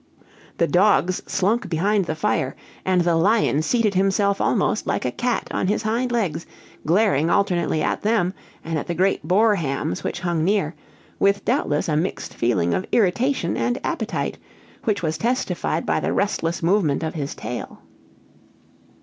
The dogs slunk behind the fire, and the lion seated himself almost like a cat on his hind legs, glaring alternately at them, and at the great boar hams which hung near, with doubtless a mixed feeling of irritation and appetite, which was testified by the restless movement of his tail.